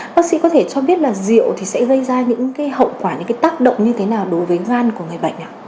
bác sĩ có thể cho biết là rượu thì sẽ gây ra những hậu quả những cái tác động như thế nào đối với gan của người bệnh ạ